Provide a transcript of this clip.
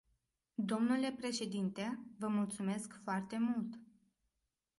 Domnule președinte, vă mulțumesc foarte mult.